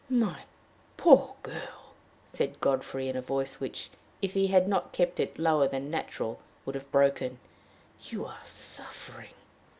"My poor girl!" said Godfrey, in a voice which, if he had not kept it lower than natural, would have broken, "you are suffering."